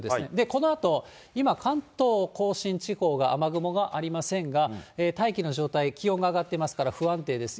このあと今、関東甲信地方が雨雲がありませんが、大気の状態、気温が上がってますから、不安定です。